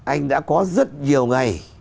anh đã có rất nhiều ngày